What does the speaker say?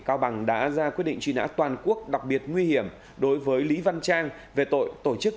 cao bằng đã ra quyết định truy nã toàn quốc đặc biệt nguy hiểm đối với lý văn trang về tội tổ chức